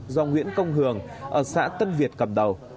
do nguyễn công hường ở xã tân việt cầm đầu